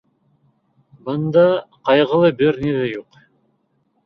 Бында ҡайғылы бер ни ҙә юҡ...